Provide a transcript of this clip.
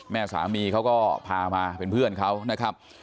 แม่สามีเขาก็พามาเป็นเพื่อนเขานะครับ